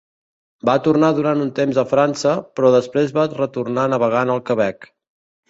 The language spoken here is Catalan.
Va tornar durant un temps a França, però després va retornar navegant al Quebec.